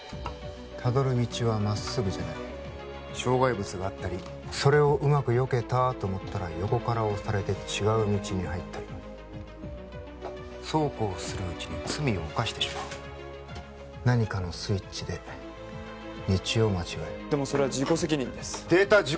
たどる道はまっすぐじゃない障害物があったりそれをうまくよけたと思ったら横から押されて違う道に入ったりそうこうするうちに罪を犯してしまう何かのスイッチで道を間違えるでもそれは自己責任です出た！